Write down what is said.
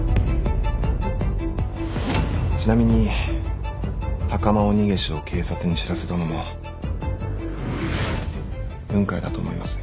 ちなみにハカマオニゲシを警察に知らせたのも雲海だと思います。